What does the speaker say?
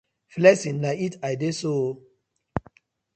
Flexing na it I dey so ooo.